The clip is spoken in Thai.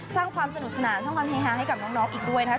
สร้างความสนุกสนานสร้างความเฮฮาให้กับน้องอีกด้วยนะครับ